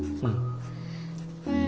うん。